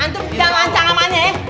antum jangan lancar ama aneh